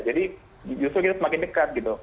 jadi justru kita semakin dekat gitu